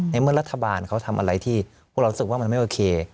เมื่อรัฐบาลเขาทำอะไรที่พวกเรารู้สึกว่ามันไม่โอเค